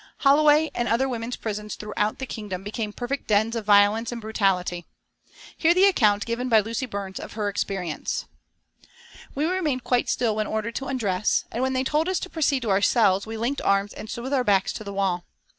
Holloway and other women's prisons throughout the Kingdom became perfect dens of violence and brutality. Hear the account given by Lucy Burns of her experience: "We remained quite still when ordered to undress, and when they told us to proceed to our cells we linked arms and stood with our backs to the wall.